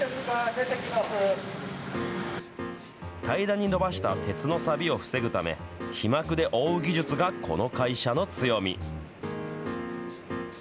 平らに伸ばした鉄のさびを防ぐため、皮膜で覆う技術がこの会社の強み。